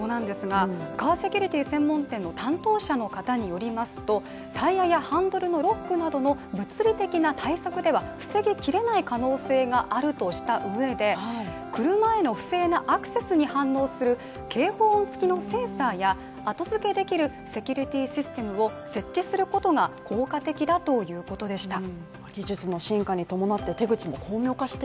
カーセキュリティー専門店の担当者の方によりますとタイヤやハンドルのロックなどの物理的な対策では防ぎきれない可能性があるとしたうえで、車への不正なアクセスに反応する警報音つきのセンサーや後付けできるセキュリティーシステムを設置することが効果的だということでした。